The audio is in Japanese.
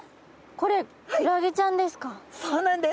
これそうなんです。